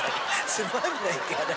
つまんないって。